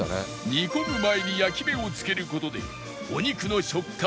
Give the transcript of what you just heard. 煮込む前に焼き目をつける事でお肉の食感